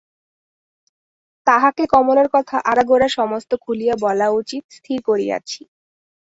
তাঁহাকে কমলার কথা আগাগোড়া সমস্ত খুলিয়া বলা উচিত স্থির করিয়াছি।